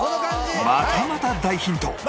またまた大ヒント！